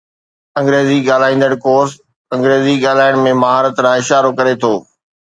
انگريزي ڳالهائيندڙ ڪورس انگريزي ڳالهائڻ ۾ مهارت ڏانهن اشارو ڪري ٿو